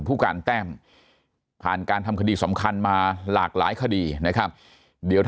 ผู้การแต้มผ่านการทำคดีสำคัญมาหลากหลายคดีนะครับเดี๋ยว